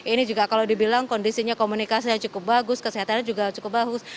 ini juga kalau dibilang kondisinya komunikasinya cukup bagus kesehatannya juga cukup bagus